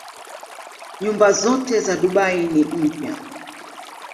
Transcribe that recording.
Nyumba zote za Dubai ni mpya.